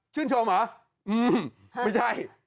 ชื่นชมเหรอ